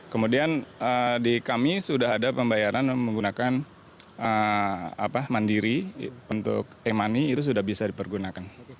kemudian di kami sudah ada pembayaran menggunakan mandiri untuk e money itu sudah bisa dipergunakan